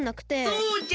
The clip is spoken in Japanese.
そうじゃ！